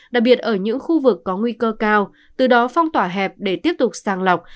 đặc biệt ở những khu vực có nguy cơ cao từ đó phong tỏa hẹp để tiếp tục sàng lọc